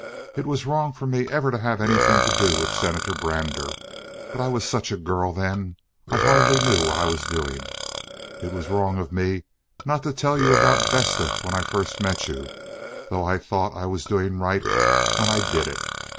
It was wrong for me ever to have anything to do with Senator Brander, but I was such a girl then—I hardly knew what I was doing. It was wrong of me not to tell you about Vesta when I first met you, though I thought I was doing right when I did it.